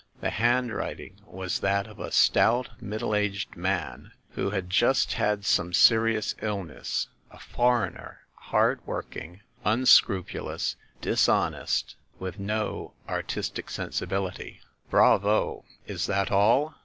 The handwriting was that of a stout middle aged man, who had just had some serious illness, ‚ÄĒ a foreigner, hard working, unscrupulous, dis honest, with no artistic sensibility." "Bravo! Is that all?"